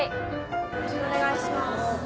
よろしくお願いします。